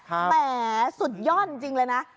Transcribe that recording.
แหมสุดยอดจริงเลยนะ